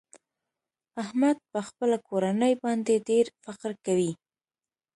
احمد په خپله کورنۍ باندې ډېر فخر کوي.